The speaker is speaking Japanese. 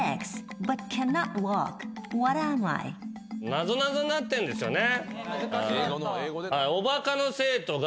なぞなぞになってんですよね。